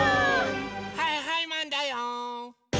はいはいマンだよ！